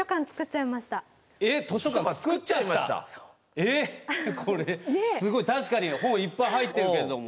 えっこれすごい確かに本いっぱい入ってるけれども。